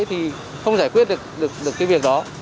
thì không giải quyết được cái việc đó